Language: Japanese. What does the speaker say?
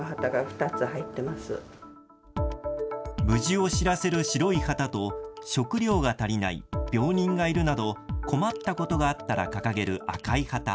無事を知らせる白い旗と食糧が足りない、病人がいるなど困ったことがあったら掲げる赤い旗。